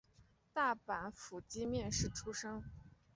大阪府箕面市出生。